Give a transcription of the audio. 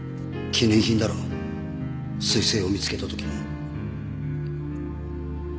記念品だろ彗星を見つけた時の。